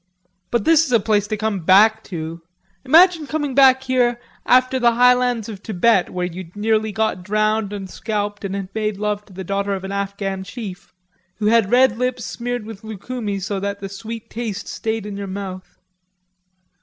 "But this is a place to come back to. Imagine coming back here after the highlands of Thibet, where you'd nearly got drowned and scalped and had made love to the daughter of an Afghan chief... who had red lips smeared with loukoumi so that the sweet taste stayed in your mouth."